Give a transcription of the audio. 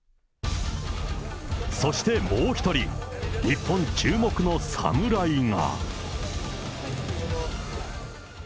そしてもう一人、日本注目の侍が。